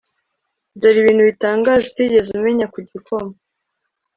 dore ibintu bitangaje utigeze umenya ku gikoma